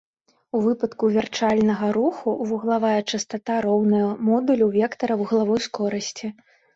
У выпадку вярчальнага руху, вуглавая частата роўная модулю вектара вуглавой скорасці.